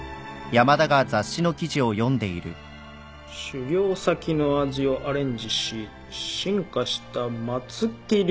「修行先の味をアレンジし進化した松木流の洋食」